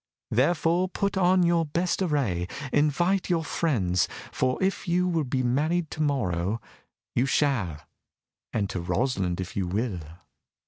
Therefore put on your best array, invite your friends: for if you will be married to morrow, you shall; and to Rosalind if you will."